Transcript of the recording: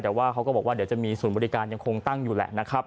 แต่ว่าเขาก็บอกว่าเดี๋ยวจะมีศูนย์บริการยังคงตั้งอยู่แหละนะครับ